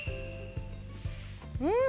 うん！